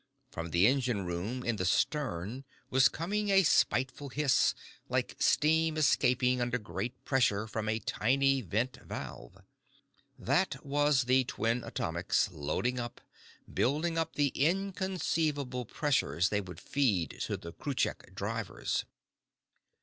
From the engine room in the stern was coming a spiteful hiss, like steam escaping under great pressure from a tiny vent valve. That was the twin atomics, loading up, building up the inconceivable pressures they would feed to the Kruchek drivers.